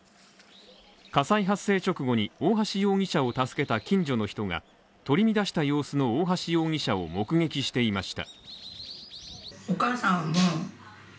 火災発生直後に大橋容疑者を助けた近所の人が取り乱した様子の大橋容疑者を目撃していました。